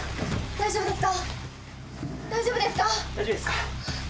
大丈夫ですか？